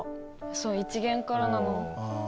そう１限からなの。